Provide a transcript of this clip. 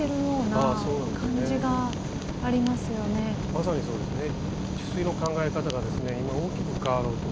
まさにそうですね。